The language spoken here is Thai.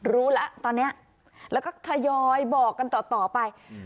รู้ละตอนนี้